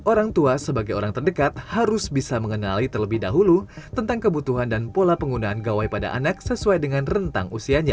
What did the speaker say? orang tua sebagai orang terdekat harus bisa mengenali terlebih dahulu tentang kebutuhan dan pola penggunaan gawai pada anak sesuai dengan rentang usianya